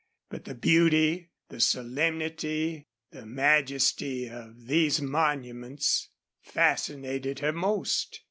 But the beauty, the solemnity, the majesty of these monuments fascinated her most.